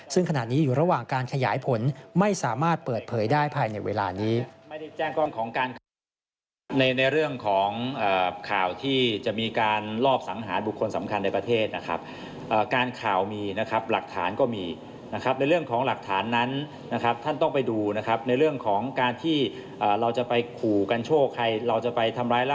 ซึ่งขณะนี้อยู่ระหว่างการขยายผลไม่สามารถเปิดเผยได้ภายในเวลานี้